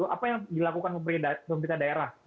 apa yang dilakukan pemerintah daerah